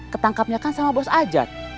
ketangkapnya kan sama bos ajat